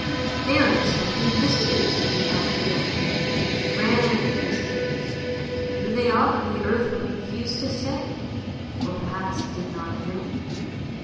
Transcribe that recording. They are expecting visitors in the Elf hill, grand visitors; but who they are the earthworm refused to say, or perhaps he did not know.